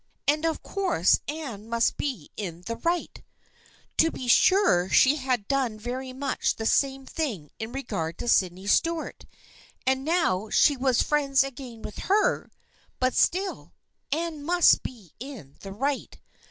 And of course Anne must be in the right ! To be sure she had done very much the same thing in regard to Sydney Stuart and now she was friends again with her — but still, Anne must be in the right